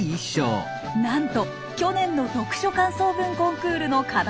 なんと去年の読書感想文コンクールの課題